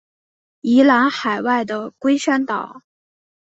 宜兰外海的龟山岛